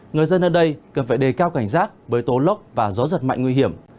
người dân ở đây cần phải đề cao cảnh giác với tố lốc và gió giật mạnh nguy hiểm